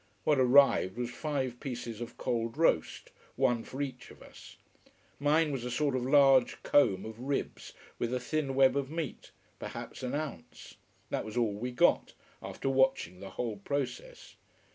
What arrived was five pieces of cold roast, one for each of us. Mine was a sort of large comb of ribs with a thin web of meat: perhaps an ounce. That was all we got, after watching the whole process.